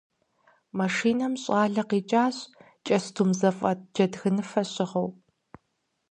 Машинэм щӀалэ къикӀащ кӀэстум зэфӀэт джэдгыныфэ щыгъыу.